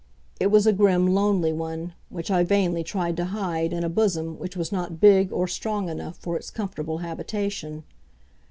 It was a grim lonely one, which I vainly tried to hide in a bosom which was not big or strong enough for its comfortable habitation.